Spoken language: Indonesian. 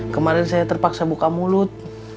kemarin saya terpaksa buka mulut